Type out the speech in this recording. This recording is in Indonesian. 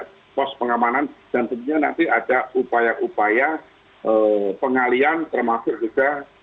ada pos pengamanan dan tentunya nanti ada upaya upaya pengalian termasuk juga